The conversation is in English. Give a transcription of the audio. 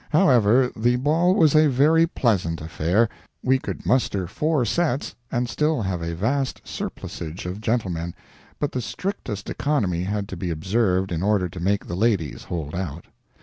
However, the ball was a very pleasant affair. We could muster four sets and still have a vast surplusage of gentlemen—but the strictest economy had to be observed in order to make the ladies hold out.